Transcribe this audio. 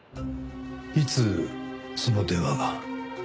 いつその電話が？